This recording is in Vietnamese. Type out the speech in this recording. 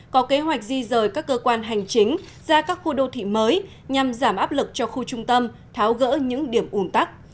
có kế hoạch di rời các cơ quan hành chính ra các khu đô thị mới nhằm giảm áp lực cho khu trung tâm tháo gỡ những điểm ủn tắc